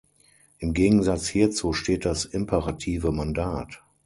Im Gegensatz hierzu steht das imperative Mandat.